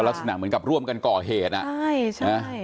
ลักษณะเหมือนกับร่วมกันก่อเหตุอ่ะใช่ใช่ไหม